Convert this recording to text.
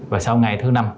và sau ngày thứ năm